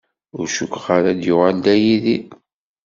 Ur cukkeɣ ara ad d-yuɣal Dda Yidir.